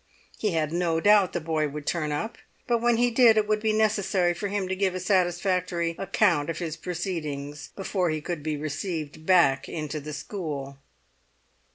He had no doubt the boy would turn up, but when he did it would be necessary for him to give a satisfactory account of his proceedings before he could be received back into the school.